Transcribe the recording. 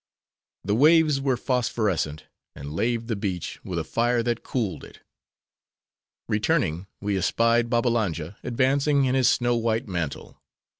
The waves were phosphorescent, and laved the beach with a fire that cooled it. Returning, we espied Babbalanja advancing in his snow white mantle.